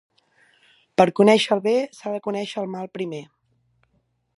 Per conèixer el bé s'ha de conèixer el mal primer.